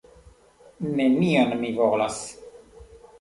Nenion mi volas.